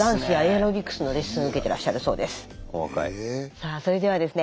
さあそれではですね